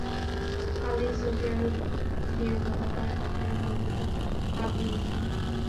পালিয়ে Saudi Arab গিয়ে ধরা পড়েন ঘটনার মূল হোতা কামরুল ইসলাম।